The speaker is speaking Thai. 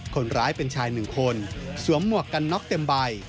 คนร้ายเป็นชายหนึ่งคนสวมหมวกกันน็อกเต็มใบ